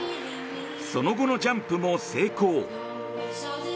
その後のジャンプも成功。